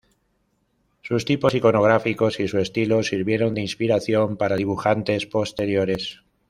Sus tipos iconográficos y su estilo sirvieron de inspiración para dibujantes posteriores.